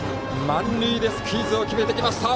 満塁でスクイズを決めてきました。